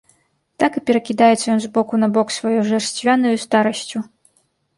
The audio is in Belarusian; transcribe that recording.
Так і перакідаецца ён з боку на бок сваёй жарсцвянаю старасцю.